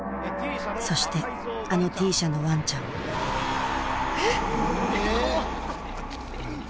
そしてあのＴ社のワンちゃんえ。